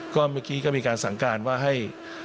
ก็เมื่อกี้ก็มีการสั่งการว่าให้